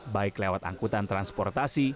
baik lewat angkutan transportasi